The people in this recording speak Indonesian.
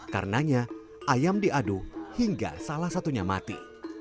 karenanya ayam diadu hingga salah satunya mati